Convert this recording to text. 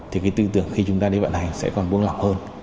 thì cái tư tưởng khi chúng ta đi vận hành sẽ còn buông lỏng hơn